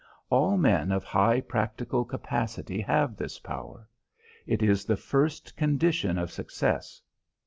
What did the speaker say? All men of high practical capacity have this power. It is the first condition of success.